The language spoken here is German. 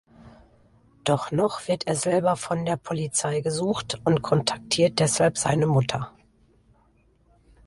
Doch noch wird er selber von der Polizei gesucht und kontaktiert deshalb seine Mutter.